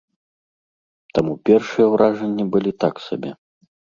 Таму першыя ўражанні былі так сабе.